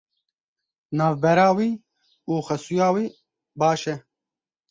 Navbera wî û xesûya wî baş e.